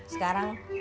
sekarang udah selesai